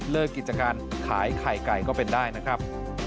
กิจการขายไข่ไก่ก็เป็นได้นะครับ